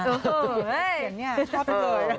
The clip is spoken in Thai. อย่างเนี่ยชอบเผย